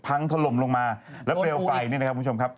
ถล่มลงมาแล้วเปลวไฟนี่นะครับคุณผู้ชมครับ